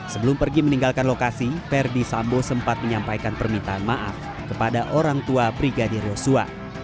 sebelum pergi meninggalkan lokasi verdi sambo sempat menyampaikan permintaan maaf kepada orang tua brigadir yosua